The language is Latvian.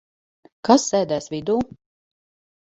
Kas sēdēs vidū?